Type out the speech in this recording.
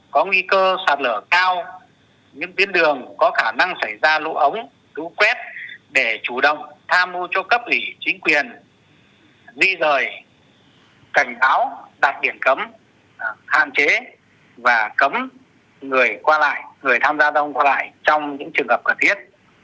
có nguy cơ sạt lở cao những tiến đường có khả năng xảy ra lũ ống lũ quét để chủ động tha mưu cho cấp lỉ chính quyền di rời cảnh báo đặt điện cấm hạn chế và cấm người qua lại người tham gia giao thông qua lại trong những trường hợp cần thiết